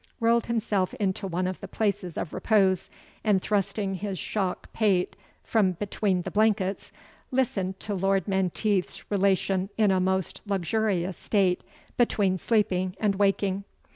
rolled himself into one of the places of repose, and thrusting his shock pate from between the blankets, listened to Lord Menteith's relation in a most luxurious state, between sleeping and waking.